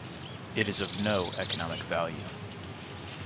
It is of no economic value.